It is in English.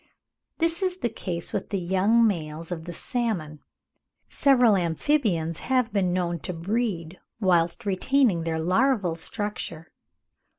This is the case with the young males of the salmon. Several amphibians have been known to breed whilst retaining their larval structure.